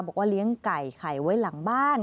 บอกว่าเลี้ยงไก่ไข่ไว้หลังบ้าน